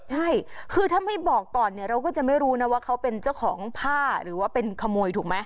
ใช่คือถ้าไม่บอกก่อนเนี่ยเราก็จะไม่รู้นะว่าเขาเป็นเจ้าของผ้าหรือว่าเป็นขโมยถูกไหม